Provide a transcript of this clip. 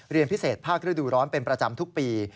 เรียนพิเศษผ้ากระดูกร้อนเป็นประจำทุกปี